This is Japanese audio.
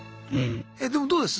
えでもどうです？